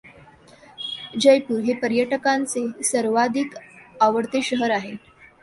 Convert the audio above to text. जयपूर हे पर्यटकांचे सर्वाधिक आवडते शहर आहे.